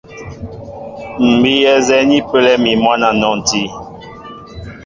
M̀ bíyɛ nzɛ́ɛ́ ni pəlɛ mi mwǎn a nɔnti.